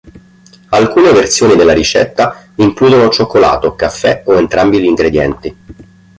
Alcune versioni della ricetta includono cioccolato, caffè o entrambi gli ingredienti.